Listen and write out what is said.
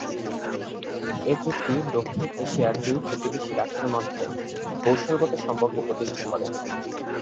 এ চুক্তি দক্ষিণ এশিয়ার দুই প্রতিবেশী রাষ্ট্রের মধ্যে কৌশলগত সম্পর্ক প্রতিষ্ঠা করে।